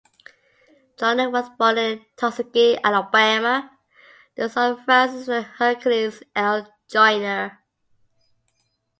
Joyner was born in Tuskegee, Alabama, the son of Frances and Hercules L. Joyner.